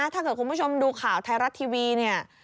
ถ้าเกิดคุณผู้ชมดูข่าวไทยรัฐทีวีเนี่ย